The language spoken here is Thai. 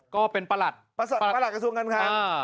ก็เป็นประหลัดประหลัดกระทรวงการคลัง